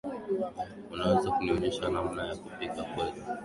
Unaweza kunionyesha namna ya kupika pweza?